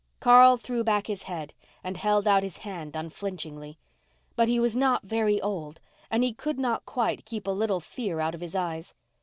Carl threw back his head and held out his hand unflinchingly. But he was not very old and he could not quite keep a little fear out of his eyes.